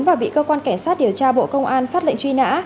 và bị cơ quan cảnh sát điều tra bộ công an phát lệnh truy nã